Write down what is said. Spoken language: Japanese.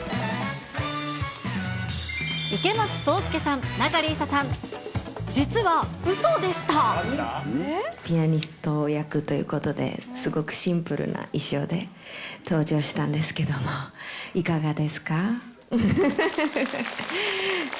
池松壮亮さん、ピアニスト役ということで、すごくシンプルな衣装で登場したんですけども、いかがですか？